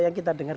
yang kita dengar